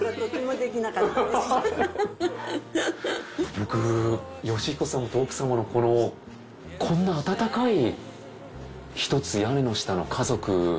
僕義彦さんと奥様のこのこんな温かい１つ屋根の下の家族。